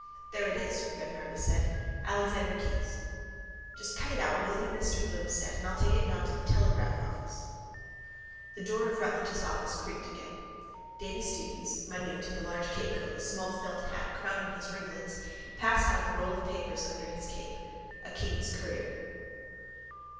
—There it is, Red Murray said. Alexander Keyes. —Just cut it out, will you? Mr Bloom said, and I'll take it round to the Telegraph office. The door of Ruttledge's office creaked again. Davy Stephens, minute in a large capecoat, a small felt hat crowning his ringlets, passed out with a roll of papers under his cape, a king's courier.